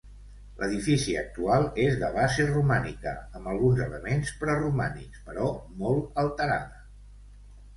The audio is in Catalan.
L'edifici actual és de base romànica, amb alguns elements preromànics, però molt alterada.